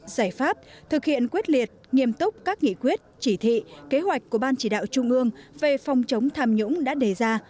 giải pháp thực hiện quyết liệt nghiêm túc các nghị quyết chỉ thị kế hoạch của ban chỉ đạo trung ương về phòng chống tham nhũng đã đề ra